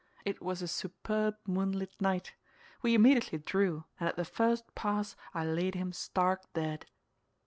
It was a superb moonlight night. We immediately drew, and at the first pass I laid him stark dead."